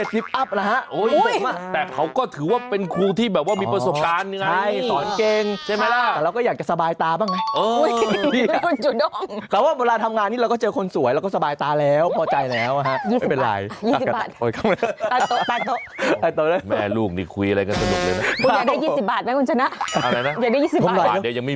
แต่เราก็อยากจะสบายตาบ้างไง